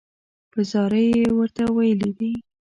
په زاریو یې ورته ویلي دي.